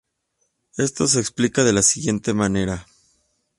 Esto se explica de la siguiente manera.